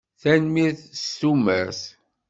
Tanemmirt. S tumert.